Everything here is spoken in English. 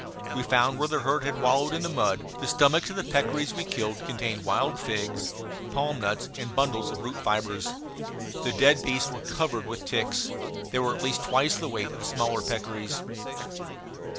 We found where the herd had wallowed in the mud. The stomachs of the peccaries we killed contained wild figs, palm nuts, and bundles of root fibres. The dead beasts were covered with ticks. They were at least twice the weight of the smaller peccaries.